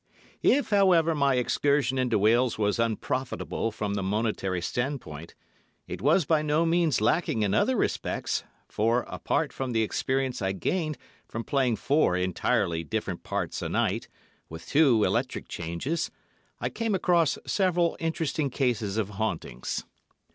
If, however, my excursion into Wales was unprofitable from the monetary standpoint, it was by no means lacking in other respects, for, apart from the experience I gained from playing four entirely different parts a night, with two electric changes, I came across several interesting cases of hauntings.